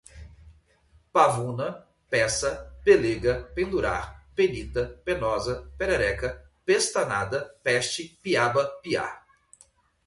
pavuna, peça, pelêga, pendurar, penita, penosa, perereca, pestanada, peste, piaba, piar